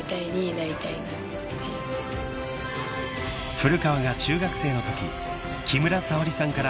［古川が中学生のとき木村沙織さんから］